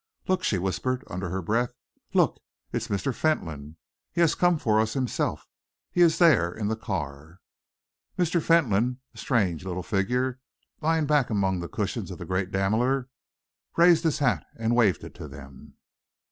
"Look!" she whispered, under her breath. "Look! It is Mr. Fentolin! He has come for us himself; he is there in the car." Mr. Fentolin, a strange little figure lying back among the cushions of the great Daimler, raised his hat and waved it to them.